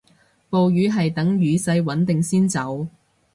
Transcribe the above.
暴雨係等雨勢穩定先走